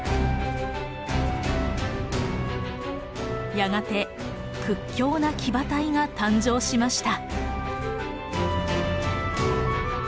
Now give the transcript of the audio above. やがて屈強な騎馬隊が誕生しました。